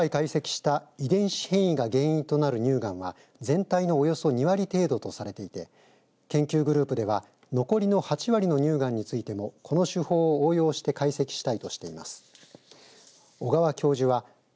今回解析した遺伝子変異が原因となる乳がんは全体のおよそ２割程度とされていて研究グループでは残りの８割の乳がんについてもこの手法を応用して解析したいとしています。